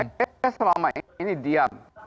saya tidak pernah menggubris apa yang dilakukan oleh orang